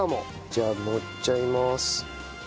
じゃあ盛っちゃいまーす。